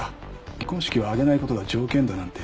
結婚式を挙げない事が条件だなんて。